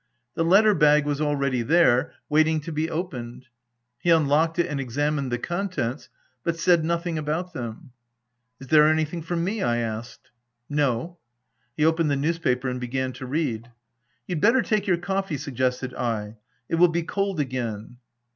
The letter bag was already there, waiting to be opened. He unlocked it and ex amined the contents, but said nothing about them. * Is there anything for me ?" I asked. "No." He opened the newspaper and began to read. " You'd better take your coffee," suggested I ; "it will be cold again."